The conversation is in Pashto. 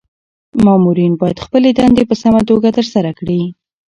مامورین باید خپلي دندي په سمه توګه ترسره کړي.